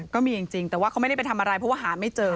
ก็มีจริงแต่ว่าเขาไม่ได้ไปทำอะไรเพราะว่าหาไม่เจอ